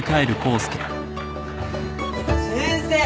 先生！